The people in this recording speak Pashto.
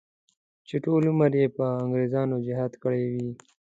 چې ټول عمر یې پر انګریزانو جهاد کړی وي.